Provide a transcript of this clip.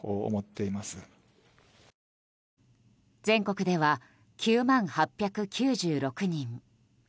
全国では９万８９６人。